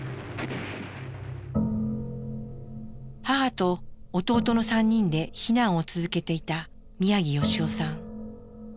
母と弟の３人で避難を続けていたさ